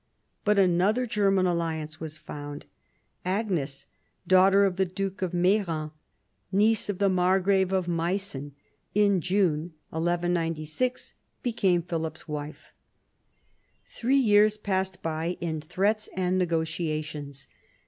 But another German alliance was found. Agnes, daughter of the Duke of Meran, niece of the Margrave of Meissen, in June 1196 became Philip's wife. Three years passed by in threats and negotiations.